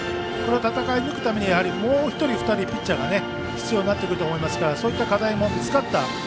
これを戦い抜くためにもう１人、２人ピッチャーが必要になってくると思いますからそういった課題も見つかった。